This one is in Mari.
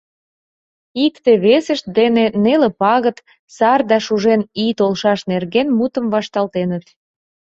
Икте-весышт дене неле пагыт, сар да шужен ий толшаш нерген мутым вашталтеныт.